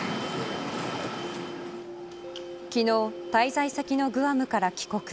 昨日、滞在先のグアムから帰国。